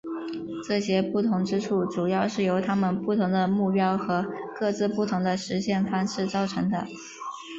这些不同之处主要是由他们不同的目标和各自不同的实现方式造成的。